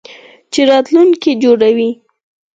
چې راتلونکی جوړوي.